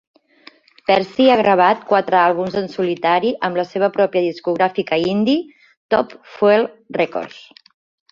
Pearcy ha gravat quatre àlbums en solitari amb la seva pròpia discogràfica indie Top Fuel Records.